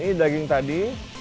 ini daging tadi